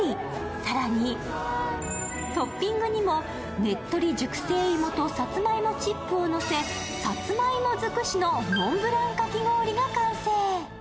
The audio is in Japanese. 更にトッピングにもねっとり熟成芋とさつまいもチップをのせ、さつまいも尽くしのモンブランかき氷が完成。